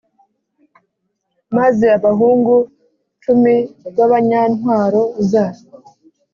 Maze abahungu cumi b abanyantwaro za